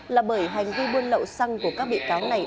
là bởi hành vi buôn lậu xăng của các bị cáo này